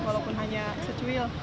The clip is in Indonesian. walaupun hanya secuil